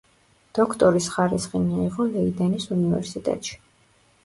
დოქტორის ხარისხი მიიღო ლეიდენის უნივერსიტეტში.